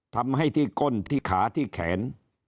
ทำให้ที่ก้นที่ขาที่แขน